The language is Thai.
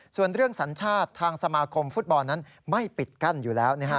ส่วนเรื่องสัญชาติทางสมาคมฟุตบอลนั้นไม่ปิดกั้นอยู่แล้ว